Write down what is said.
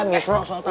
ya misro soal tau